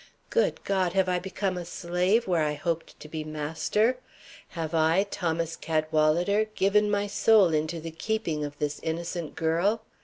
Good God! Have I become a slave where I hoped to be master? Have I, Thomas Cadwalader, given my soul into the keeping of this innocent girl?